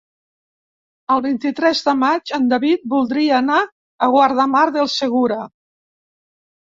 El vint-i-tres de maig en David voldria anar a Guardamar del Segura.